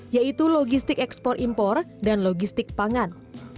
yaitu logistik ekspor impor dan logistik pangan